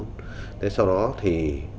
thế sau đó thì